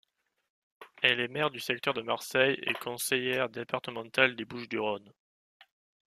Elle est maire du secteur de Marseille et conseillère départementale des Bouches-du-Rhône.